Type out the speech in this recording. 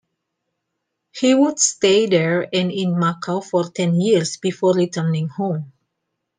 He would stay there and in Macau for ten years before returning home.